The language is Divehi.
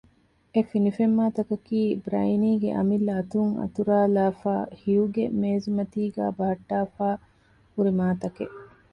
އެ ފިނިފެންމާތަކަކީ ބްރައިނީގެ އަމިއްލަ އަތުން އަތުރައިލައިފައި ހިޔުގެ މޭޒުމަތީގައި ބަހައްޓައިފައި ހުރި މާތަކެއް